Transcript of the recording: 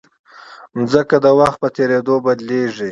مځکه د وخت په تېرېدو بدلېږي.